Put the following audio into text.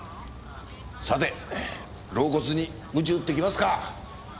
さて老骨にムチ打っていきますか！